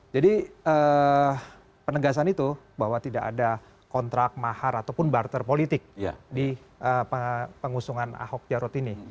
jadi penegasan itu bahwa tidak ada kontrak mahar ataupun barter politik di pengusungan ahok jarod ini